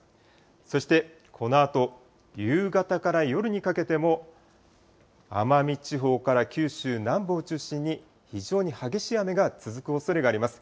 そしてこのあと、夕方から夜にかけても、奄美地方から九州南部を中心に非常に激しい雨が続くおそれがあります。